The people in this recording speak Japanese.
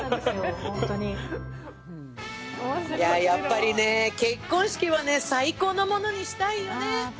やっぱりね結婚式は最高のものにしたいよね。